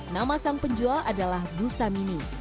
nama sang penjual adalah bu samini